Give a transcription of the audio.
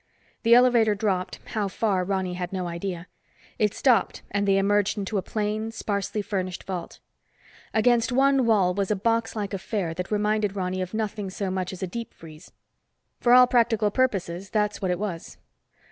The elevator dropped, how far, Ronny had no idea. It stopped and they emerged into a plain, sparsely furnished vault. Against one wall was a boxlike affair that reminded Ronny of nothing so much as a deep freeze. For all practical purposes, that's what it was.